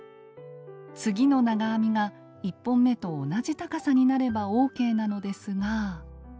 次の長編みが１本目と同じ高さになればＯＫなのですが。